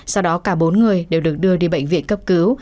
sau đó cả bốn người đều được đưa đi bệnh viện cấp cứu